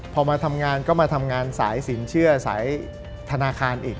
พอมาทำงานก็มาทำงานสายสินเชื่อสายธนาคารอีก